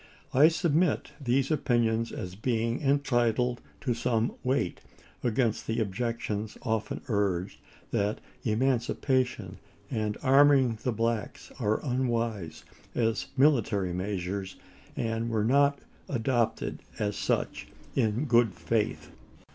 I submit these opinions as being entitled to some weight against the objections often urged that emancipation and arming the blacks are unwise as military measures, and were not adopted as such in good faith.